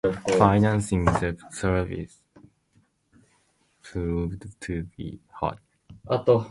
Financing the service proved to be hard.